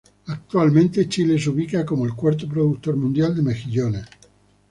Actualmente, Chile se ubica como el cuarto productor mundial de mejillones.